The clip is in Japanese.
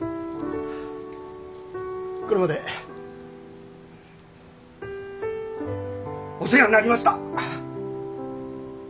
これまでお世話になりました。